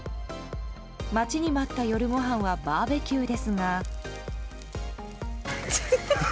待ちに待った夜ごはんはバーベキューですが。